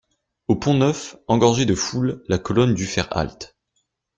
Au Pont-Neuf, engorgé de foule, la colonne dut faire halte.